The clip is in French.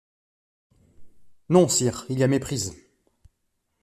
Non, sire, il y a méprise.